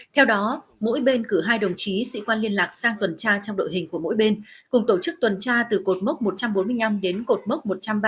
theo đó mỗi bên cử hai đồng chí sĩ quan liên lạc sang tuần tra trong đội hình của mỗi bên cùng tổ chức tuần tra từ cột mốc một trăm bốn mươi năm đến cột mốc một trăm ba mươi